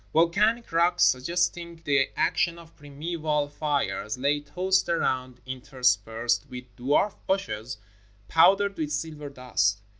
Volcanic rocks, sug gesting the action of primeval fires, lay tossed around, interspersed with dwarf bushes powdered with silver dust.